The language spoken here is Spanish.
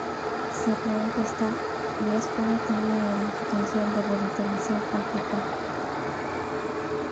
Se cree que esta diáspora tiene el potencial de revitalizar África.